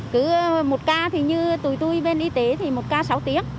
cứ một ca thì như tù tôi bên y tế thì một ca sáu tiếng